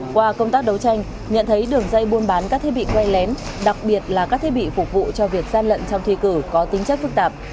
qua công tác đấu tranh nhận thấy đường dây buôn bán các thiết bị quay lén đặc biệt là các thiết bị phục vụ cho việc gian lận trong thi cử có tính chất phức tạp